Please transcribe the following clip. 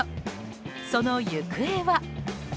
その行方は。